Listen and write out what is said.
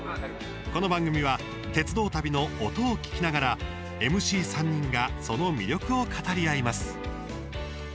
この番組は鉄道旅の音を聞きながらＭＣ３人がその魅力を語り合います。